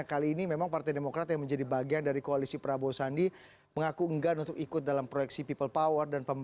kali ini memang partai demokrat yang menjadi bagian dari koalisi prabowo sandi mengaku enggan untuk ikut dalam proyeksi people power